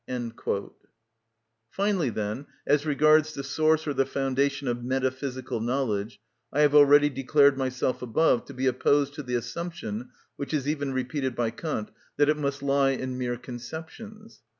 (28) Finally, then, as regards the source or the foundation of metaphysical knowledge, I have already declared myself above to be opposed to the assumption, which is even repeated by Kant, that it must lie in mere conceptions.